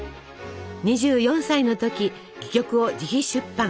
２４歳の時戯曲を自費出版。